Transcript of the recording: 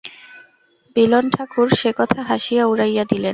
বিল্বন ঠাকুর সে কথা হাসিয়া উড়াইয়া দিলেন।